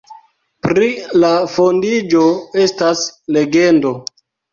Pri la fondiĝo estas legendo.